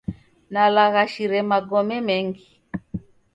Nalaghashire magome mengi.